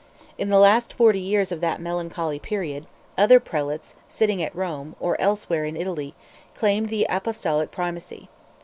In the last forty years of that melancholy period, other Prelates sitting at Rome, or elsewhere in Italy, claimed the Apostolic primacy.